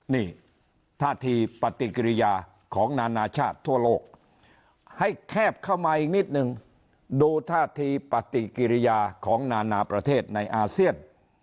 นี่ท่าทีปฏิกิริยาของนานาชาติทั่วโลกให้แคบเข้ามาอีกนิดนึงดูท่าทีปฏิกิริยาของนานาประเทศในอาเซียน